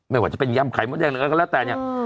ไม่ว่าจะเป็นยำไข่มดแดงหรืออะไรแต่นี่